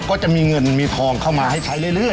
ก็จะมีเงินมีทองเข้ามาให้ใช้เรื่อย